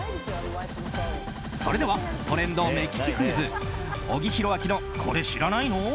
それでは、トレンド目利きクイズ小木博明のこれ知らないの？